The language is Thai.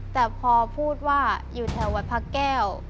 แต่พอพูดว่าอยู่แถววัดพระแก้ว